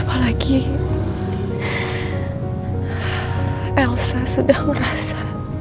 apalagi elsa sudah merasa